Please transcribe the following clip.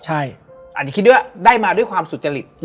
อาจจะคิดด้วยว่าได้มาด้วยความสุจริต